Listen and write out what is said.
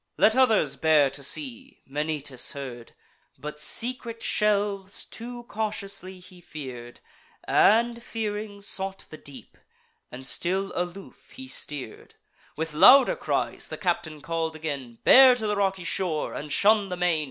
"Let others bear to sea!" Menoetes heard; But secret shelves too cautiously he fear'd, And, fearing, sought the deep; and still aloof he steer'd. With louder cries the captain call'd again: "Bear to the rocky shore, and shun the main."